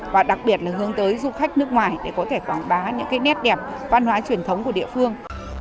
và đặc biệt là hướng tới du khách nước ngoài để có thể quảng bá những nét đẹp văn hóa truyền thống của địa phương